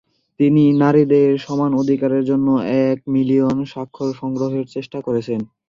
তিনি নারীদের সমান অধিকারের জন্য এক মিলিয়ন স্বাক্ষর সংগ্রহের চেষ্টা করেছেন।